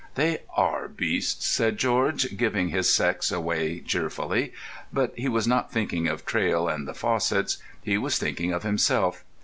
"They are beasts," said George, giving his sex away cheerfully. But he was not thinking of Traill and the Fossetts; he was thinking of himself.